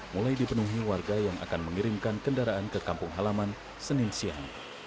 mulai dipenuhi warga yang akan mengirimkan kendaraan ke kampung halaman senin siang